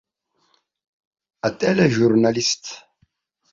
Атележурналист.